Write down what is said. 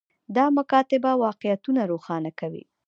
دا مکاتبه واقعیتونه روښانه کوي.